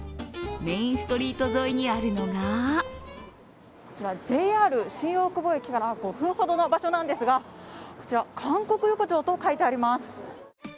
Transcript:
メインストリート沿いにあるのがこちら、ＪＲ新大久保駅から５分ほどの場所なんですが、こちら、韓国横丁と書いてあります